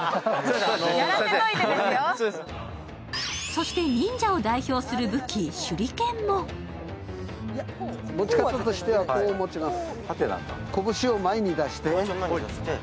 そして忍者を代表する武器手裏剣も持ち方としてはこう持ちます。